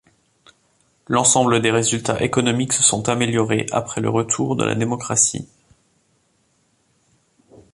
L'ensemble des résultats économiques se sont améliorés après le retour de la démocratie.